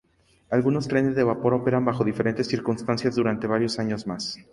Algunos trenes de vapor operan bajo diferentes circunstancias durante varios años más.